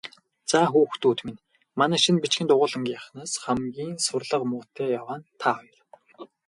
Заа, хүүхдүүд минь, манай шинэ бичгийн дугуйлангийнхнаас хамгийн сурлага муутай яваа нь та хоёр.